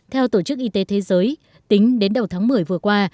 theo tổ chức y tế thế giới tính đến đầu tháng một mươi vừa qua